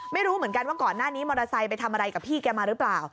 ไม่รู้เหมือนกันว่าก่อนหน้านี้มอเตอร์ไซค์ไปทำอะไรกับพี่แกมาหรือเปล่า